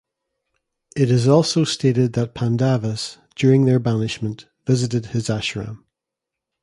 It is also stated that Pandavas, during their banishment, visited his Ashram.